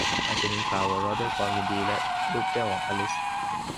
ราชินีขาวหัวเราะด้วยความยินดี และลูบแก้มของอลิซ